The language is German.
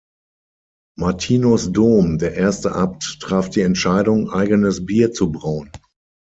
Martinus Dom, der erste Abt, traf die Entscheidung, eigenes Bier zu brauen.